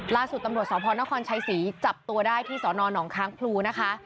ล่าสุดตำรวจสพนครชัยศรีจับตัวได้ที่สนหนองค้างพลูนะคะ